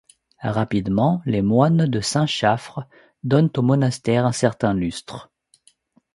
Rapidement, les moines de Saint Chaffre donnent au monastère un certain lustre.